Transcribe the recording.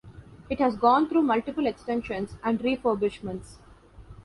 It has gone through multiple extensions and refurbishments.